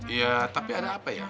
iya tapi ada apa ya